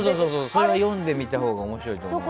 それは読んでみたほうが面白いと思う。